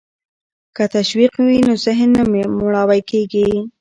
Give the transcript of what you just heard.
که تشویق وي نو ذهن نه مړاوی کیږي.